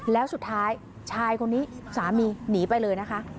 แล้วสุดท้ายชายคนนี้สามีหนีไปเลยนะคะ